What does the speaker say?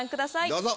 どうぞ。